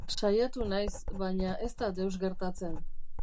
Saiatu naiz, baina ez da deus gertatzen.